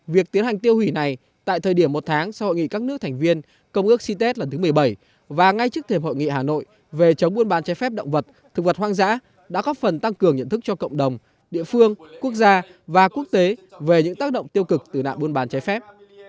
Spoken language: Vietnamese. việc tiến hành tiêu hủy này tại thời điểm một tháng sau hội nghị các nước thành viên công ước cit lần thứ một mươi bảy và ngay trước thềm hội nghị hà nội về chống buôn bán chế phép động vật thực vật hoang dã đã góp phần tăng cường nhận thức cho cộng đồng địa phương quốc gia và quốc tế về những tác động tiêu cực từ nạn buôn bán trái phép